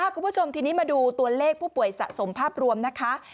คุณผู้ชมทีนี้มาดูตัวเลขผู้ป่วยสะสมภาพรวมนะคะ